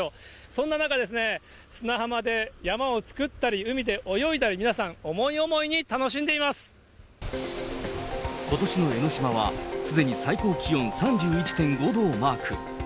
そんな中、砂浜で山を作ったり、海で泳いだり、皆さん、ことしの江の島は、すでに最高気温３１．５度をマーク。